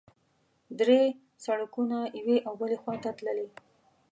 درې سړکونه یوې او بلې خوا ته تللي.